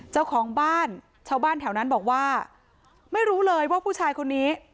เจ้าของบ้านชาวบ้านแถวนั้นบอกว่าไม่รู้เลยว่าผู้ชายคนนี้